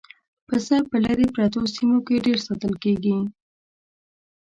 پسه په لرې پرتو سیمو کې ډېر ساتل کېږي.